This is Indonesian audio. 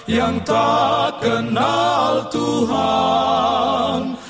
yang tak kenal tuhan